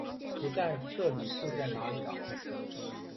不在这里会在哪里啊？